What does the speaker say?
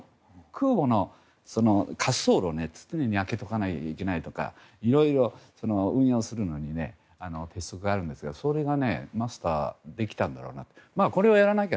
空母の滑走路を常に空けておかないといけないとかいろいろ運用するのに鉄則があるんですがそれがマスターできたんだろうなと。